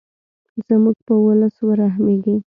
زموږ په ولس ورحمیږې.